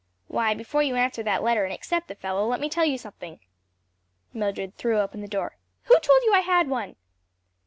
"Why before you answer that letter and accept the fellow, let me tell you something." Mildred threw open the door. "Who told you I had one?"